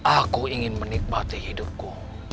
aku ingin menikmati hidupku